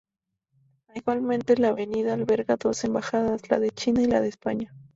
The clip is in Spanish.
Igualmente, la avenida alberga dos embajadas: la de China y la de España.